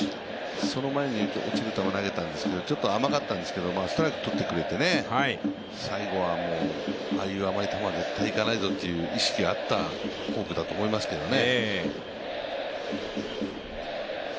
その前に落ちる球投げたんですけどストライクとってくれて最後はああいう甘い球は絶対にいかないぞという意識があったフォークだと思いますけどね。